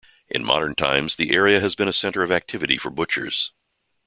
In modern times, the area has been a center of activity for butchers.